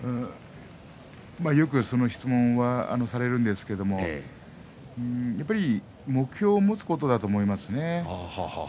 よく質問をされますけれどもやっぱり目標を持つことだと思いますね。